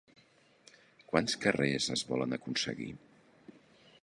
Quants carrers es volen aconseguir?